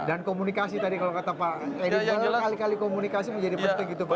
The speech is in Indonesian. dan komunikasi tadi kalau kata pak edi sekali kali komunikasi menjadi penting gitu pak